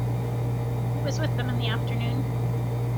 He was with them in the afternoon.